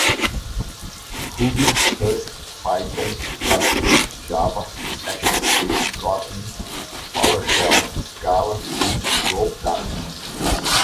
Ruby, rust, python, javascript, java, actionscript, kotlin, powershell, scala, swift, go, dart